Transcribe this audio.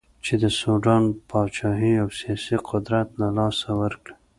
چې د سوډان پاچهي او سیاسي قدرت له لاسه ورکړي.